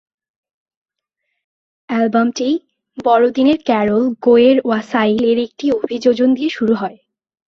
অ্যালবামটি বড়দিনের ক্যারোল "গোয়ের ওয়াসাইল" এর একটি অভিযোজন দিয়ে শুরু হয়।